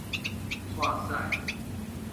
疶屎